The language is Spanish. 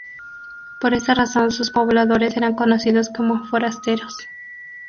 Por esta razón sus pobladores eran conocidos como "Forasteros".